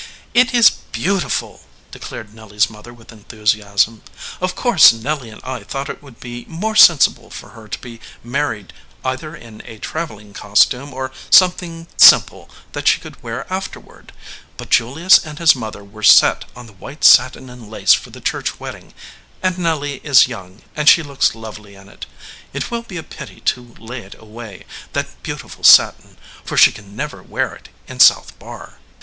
"It is beautiful!" declared Nelly s mother with enthusiasm. "Of course Nelly and I thought it would be more sensible for her to be married either in a traveling costume or something simple that she could wear afterward, but Julius and his mother were set on the white satin and lace for the church wedding, and Nelly is young, and she looks lovely in it. It will be a pity to lay it away, that beautiful satin, for she can never wear it in South Barr."